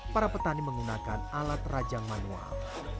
para petani menggunakan alat rajang manual